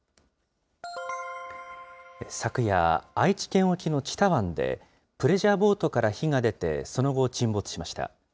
昨夜、愛知県沖の知多湾で、プレジャーボートから火が出てその後、沈没しました。